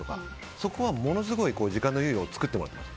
そこはものすごい時間の猶予を作ってもらってます。